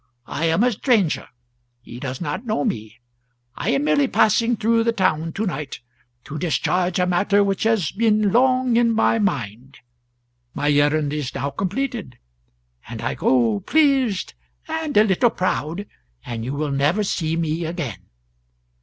I am a stranger; he does not know me; I am merely passing through the town to night to discharge a matter which has been long in my mind. My errand is now completed, and I go pleased and a little proud, and you will never see me again.